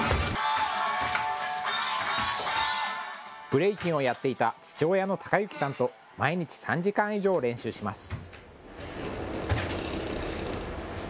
ブレイキンをやっていた父親の貴之さんと毎日３時間以上、練習します。